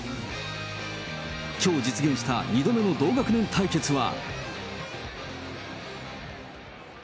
きょう実現した２度目の同学年対決は。